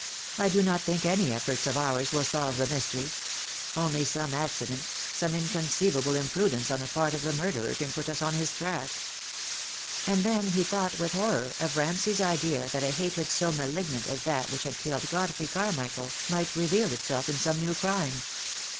I do not think any efforts of ours will solve the mystery, THE DAY WILL COME. 53 Only some accident, some inconceivable imprudence on the part of the murderer can put us on his track." And then he thought with horror of Ramsay's idea that a hatred so malignant as that which had killed God frey Carmichael might reveal itself in some new crime.